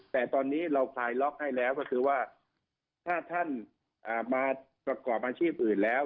แต่ตอนนี้เราคลายล็อกให้แล้วก็คือว่าถ้าท่านมาประกอบอาชีพอื่นแล้ว